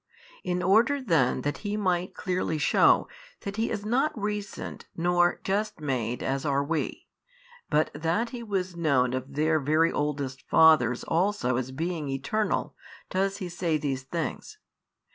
In order then that He might clearly shew, that He is not recent nor just made as are we, but that He was known of their very oldest Fathers also as being Eternal, does He say these things.